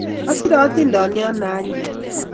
Asire atindoniot ne anyiny